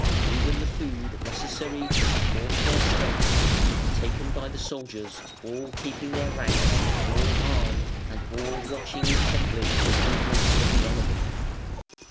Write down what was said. Even the food necessary to support their strength was to be taken by the soldiers, all keeping their ranks, all armed, and all watching intently the movements of the enemy.